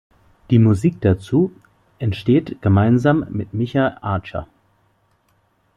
Die Musik dazu entsteht gemeinsam mit Micha Acher.